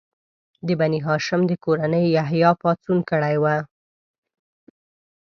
د بني هاشم د کورنۍ یحیی پاڅون کړی و.